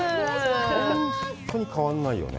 本当に変わらないよね。